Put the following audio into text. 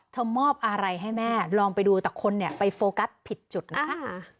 มอบอะไรให้แม่ลองไปดูแต่คนเนี่ยไปโฟกัสผิดจุดนะคะ